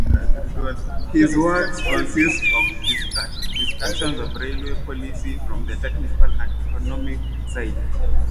His works consist of discussions of railway policy from the technical and economic side.